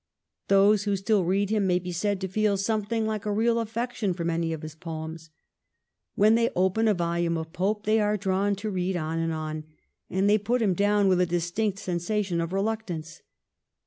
Those who still read him may be said to feel something like a real affection for many of his poems. When they open a volume of Pope they are drawn to read on and on, and they put him down with a distinct sensation of reluct ance.